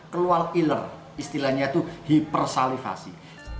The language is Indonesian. keluar iler istilahnya itu hipersalivasi